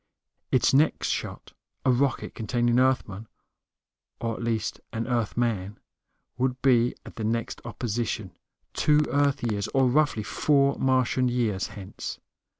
Its next shot, a rocket containing Earthmen, or at least an Earthman, would be at the next opposition, two Earth years, or roughly four Martian years, hence.